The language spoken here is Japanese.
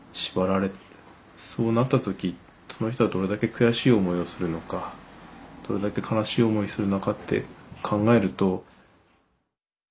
そうなった時その人はどれだけ悔しい思いをするのかどれだけ悲しい思いするのかって考えると。